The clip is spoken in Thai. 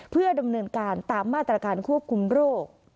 เพื่อดำเนินการตามมาตรการควบคุมโรค